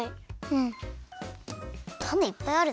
うん。